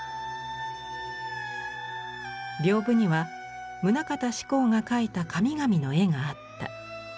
屏風には棟方志功が描いた神々の絵があった。